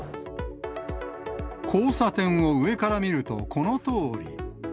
交差点を上から見ると、このとおり。